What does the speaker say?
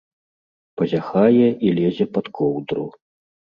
Пазяхае і лезе пад коўдру.